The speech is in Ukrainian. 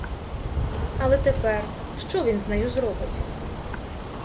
Але тепер що він з нею зробить?